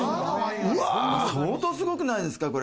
相当すごくないですか？